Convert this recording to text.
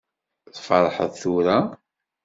Tferḥeḍ tura?